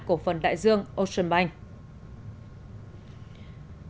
cổ phần đại dương ocean bank